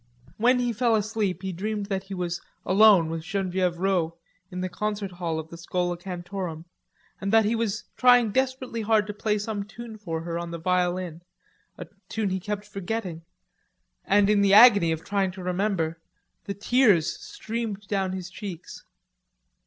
When he fell asleep he dreamed that he was alone with Genevieve Rod in the concert hall of the Schola Cantorum, and that he was trying desperately hard to play some tune for her on the violin, a tune he kept forgetting, and in the agony of trying to remember, the tears streamed down his cheeks.